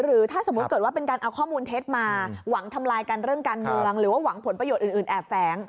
หรือถ้าสมมุติเกิดว่าเป็นการเอาข้อมูลเท็จมาหวังทำลายกันเรื่องการเมืองหรือว่าหวังผลประโยชน์อื่นแอบแฟ้ง